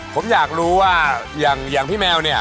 ผมอยากรู้ว่าอย่างพี่แมวเนี่ย